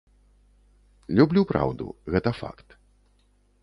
Люблю праўду, гэта факт.